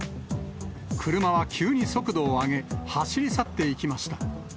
車は急に速度を上げ、走り去っていきました。